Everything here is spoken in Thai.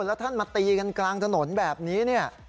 แล้วท่านมาตีกันกลางถนนแบบนี้เนี่ย